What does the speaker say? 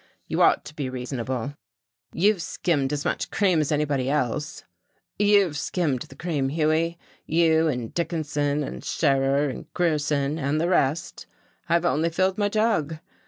You ought to be reasonable." "You've skimmed as much cream as anybody else." "You've skimmed the cream, Hughie, you and Dickinson and Scherer and Grierson and the rest, I've only filled my jug.